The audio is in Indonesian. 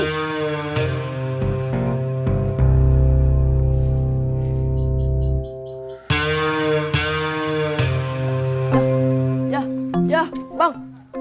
yah yah yah bang